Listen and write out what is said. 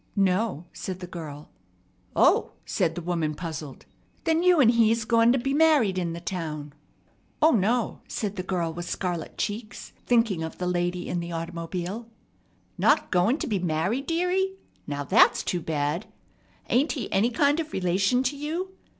"No," said the girl. "O," said the woman, puzzled, "then you and he's goin' to be married in the town." "O, no!" said the girl with scarlet cheeks, thinking of the lady in the automobile. "Not goin' to be married, dearie? Now that's too bad. Ain't he any kind of relation to you?